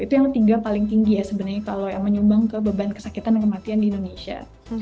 itu yang ketiga paling tinggi ya sebenarnya kalau yang menyumbang ke beban kesakitan dan kematian di indonesia